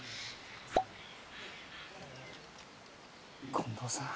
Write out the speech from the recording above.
近藤さん。